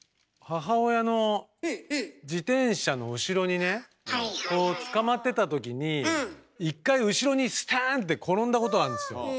自転車の後ろにねこうつかまってた時に１回後ろにすてんって転んだことあるんですよ。